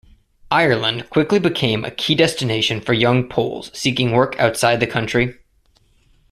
Ireland quickly became a key destination for young Poles seeking work outside the country.